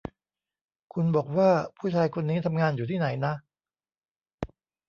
คุณบอกว่า ผู้ชายคนนี้ทำงานอยู่ที่ไหนนะ